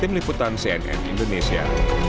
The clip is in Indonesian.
tim liputan cnn indonesia